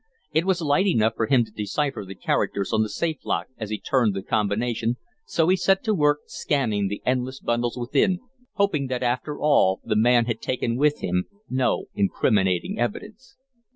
It was light enough for him to decipher the characters on the safe lock as he turned the combination, so he set to work scanning the endless bundles within, hoping that after all the man had taken with him no incriminating evidence.